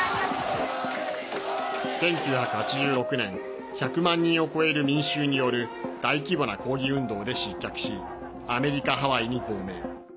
１９８６年１００万人を超える民衆による大規模な抗議運動で失脚しアメリカ・ハワイに亡命。